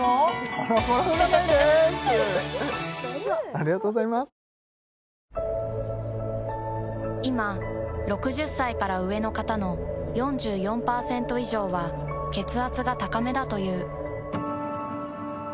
コロコロ占いですいま６０歳から上の方の４４％以上は血圧が高めだという。